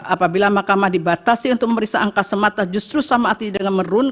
apabila mahkamah dibatasi untuk memeriksa angka semata justru sama artinya dengan merun